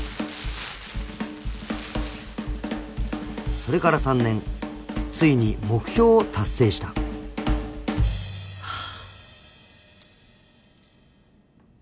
［それから３年ついに目標を達成した］ハァ。